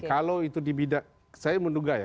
kalau itu dibidang saya menduga ya